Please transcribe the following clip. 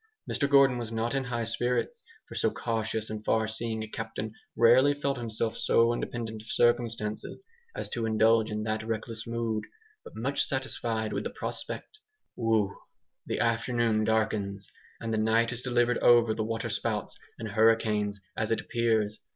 Mr Gordon was not in high spirits, for so cautious and far seeing a captain rarely felt himself so independent of circumstances as to indulge in that reckless mood but much satisfied with the prospect. Whew! The afternoon darkens, and the night is delivered over to water spouts and hurricanes, as it appears.